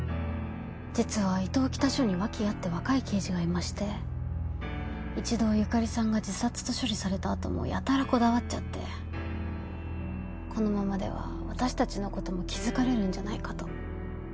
実は伊東北署に脇谷って若い刑事がいまして一度由香里さんが自殺と処理されたあともやたらこだわっちゃってこのままでは私たちのことも気づかれるんじゃないかと。